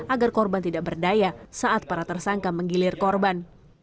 agar korban tidak berdaya saat para tersangka menggilir korban